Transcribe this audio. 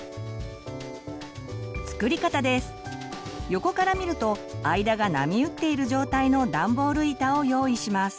横から見ると間が波打っている状態のダンボール板を用意します。